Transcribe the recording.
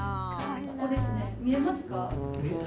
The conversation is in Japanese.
ここですね、見えますか？